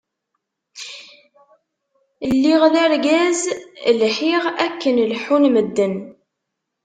lliɣ d argaz lḥiɣ akken leḥḥun medden.